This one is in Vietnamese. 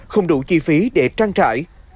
không đủ chi phí để trang trải